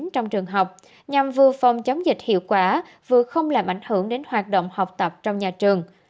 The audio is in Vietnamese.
trong trường học nhằm vừa phòng chống dịch hiệu quả vừa không làm ảnh hưởng đến hoạt động học tập trong nhà trường